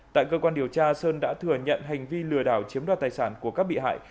tại cơ quan điều tra sơn đã thừa nhận hành vi lừa đảo chiếm đoạt tài sản của các bị hại